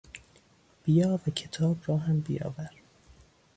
بیا و کتاب را هم بیاور.